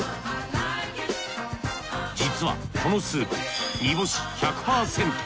実はこのスープ煮干し１００％。